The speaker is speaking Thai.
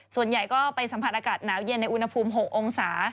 ส่วนใหญ่ก็ไปสัมผัสอากาศหนาวเย็นในอุณหภูมิ๖องศา